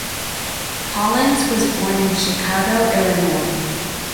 Collins was born in Chicago, Illinois.